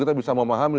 kita bisa memahami